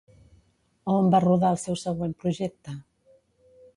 A on va rodar el seu següent projecte?